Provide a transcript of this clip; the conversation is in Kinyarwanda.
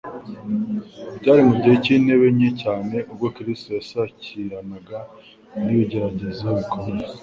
Byari mu gihe cy'intege nke cyane ubwo Kristo yasakiranaga n'ibigeragezo bikomeye